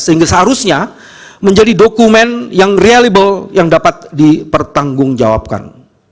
sehingga seharusnya menjadi dokumen yang realible yang dapat dipertanggungjawabkan